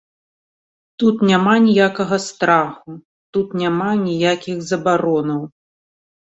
Тут няма ніякага страху, тут няма ніякіх забаронаў.